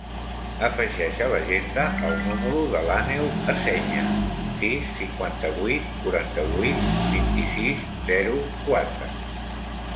Afegeix a l'agenda el número de l'Aneu Aceña: sis, cinquanta-vuit, quaranta-vuit, vint-i-sis, zero, quatre.